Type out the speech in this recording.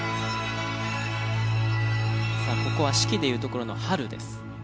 さあここは『四季』でいうところの『春』です。